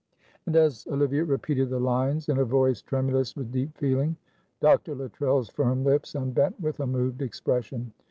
'" And as Olivia repeated the lines in a voice tremulous with deep feeling, Dr. Luttrell's firm lips unbent with a moved expression.